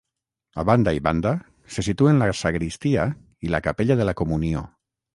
A banda i banda se situen la sagristia i la Capella de la Comunió.